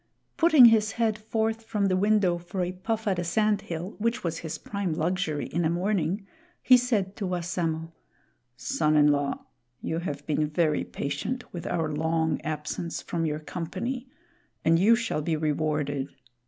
Putting his head forth from the window for a puff at a sand hill, which was his prime luxury in a morning, he said to Wassamo: "Son in law, you have been very patient with our long absence from your company, and you shall be rewarded.